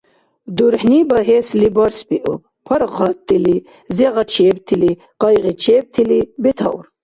ДурхӀни багьесли барсбиуб: паргъаттили, зегъачебтили, къайгъичебтили бетаур.